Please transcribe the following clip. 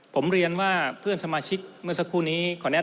ผมเรียนว่าเพื่อนสมาชิกเมื่อสักครู่นี้